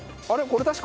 あれ？